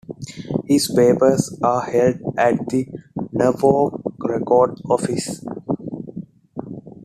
His papers are held at the Norfolk Record Office.